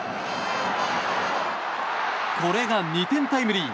これが２点タイムリー！